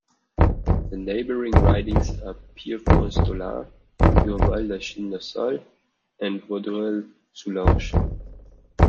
The neighbouring ridings are Pierrefonds-Dollard, Dorval-Lachine-LaSalle and Vaudreuil-Soulanges.